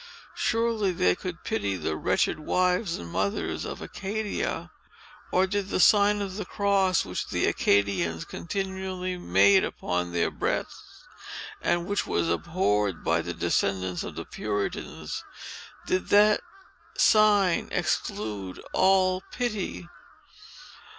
Surely, they could pity the wretched wives and mothers of Acadia! Or, did the sign of the cross, which the Acadians continually made upon their breasts, and which was abhorred by the descendants of the Puritans—did that sign exclude all pity?